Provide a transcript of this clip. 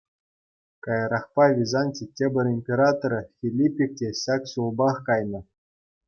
Каярахпа Византи тепӗр императорӗ Филиппик те ҫак ҫулпах кайнӑ.